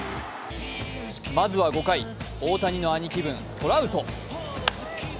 まずは５回大谷の兄貴分・トラウト。